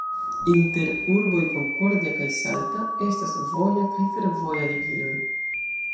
Inter urboj Concordia kaj Salta estas voja kaj fervoja ligiloj.